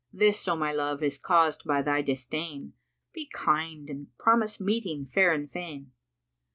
This, O my love, is caused by thy disdain, * Be kind and promise meeting fair and fain!"